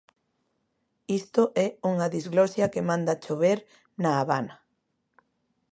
Isto é unha diglosia que manda chover na Habana.